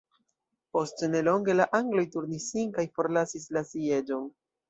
Post nelonge la angloj turnis sin kaj forlasis la sieĝon.